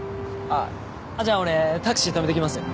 あっじゃあ俺タクシーとめてきますよ。